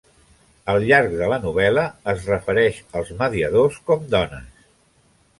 Al llarg de la novel·la, es refereix als mediadors com dones.